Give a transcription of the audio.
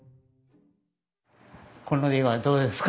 この絵はどうですか？